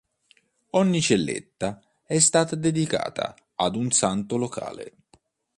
Ogni celletta è stata dedicata ad un santo locale.